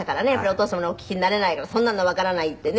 お父様にお聞きになれないから「そんなのわからない」ってね。